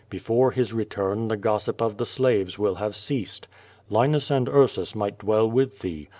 Before his return the gossip of the slaves will have ceased. Linus and Ursus might dwell with thee.